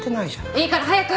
いいから早く！